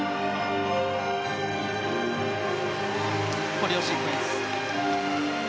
コレオシークエンス。